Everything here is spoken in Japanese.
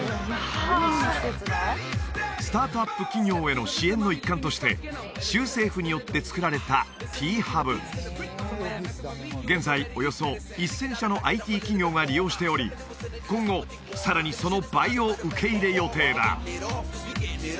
あスタートアップ企業への支援の一環として州政府によってつくられた現在およそ１０００社のＩＴ企業が利用しており今後さらにその倍を受け入れ予定だ